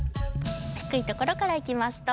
低いところからいきますどうぞ。